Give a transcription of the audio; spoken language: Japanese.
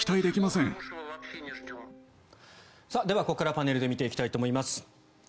ここからパネルで見ていきたいと思います。